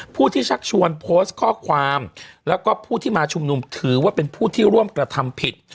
ผู้ที่ชักชวนโพสต์ข้อความแล้วก็ผู้ที่มาชุมนุมถือว่าเป็นผู้ที่ร่วมกระทำผิด